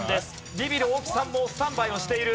ビビる大木さんもスタンバイをしている。